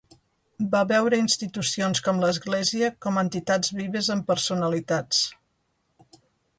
Va veure institucions com l'Església com entitats vives amb personalitats.